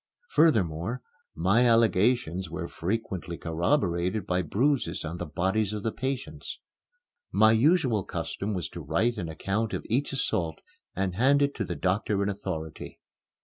Furthermore, my allegations were frequently corroborated by bruises on the bodies of the patients. My usual custom was to write an account of each assault and hand it to the doctor in authority.